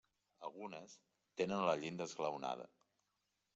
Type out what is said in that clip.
Algunes tenen la llinda esglaonada.